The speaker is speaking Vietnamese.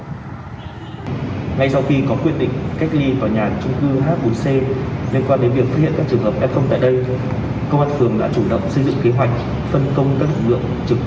ngay sau khi có quyết định cách ly vào nhà trung cư h bốn c